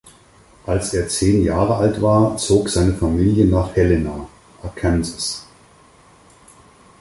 Als er zehn Jahre alt war, zog seine Familie nach Helena, Arkansas.